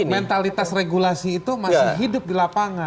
mentalitas regulasi itu masih hidup di lapangan